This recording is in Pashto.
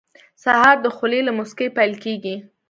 سهار د خولې له موسکۍ پیل کېږي.